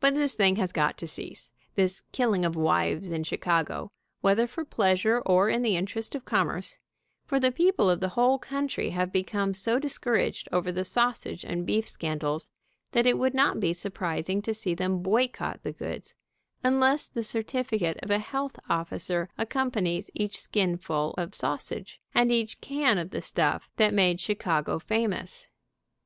But this thing has got to cease, this killing of wives in Chicago, whether for pleasure or in the interest of commerce, for the people of the whole country have become so discouraged over the sausage and beef scandals that it would not be surprising to see them boycott the goods, unless the certificate of a health officer accompanies each skinful of sausage, and each can of the stuff that made Chi cago famous.